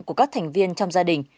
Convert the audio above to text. của các thành viên trong gia đình